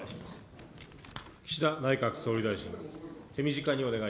岸田内閣総理大臣。